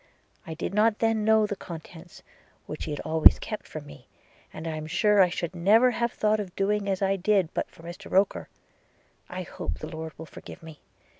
– I did not then know the contents, which she had always kept from me: and I am sure I should never have thought of doing as I did but for Mr Roker – I hope the Lord will forgive me!